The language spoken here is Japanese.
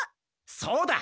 そうだ。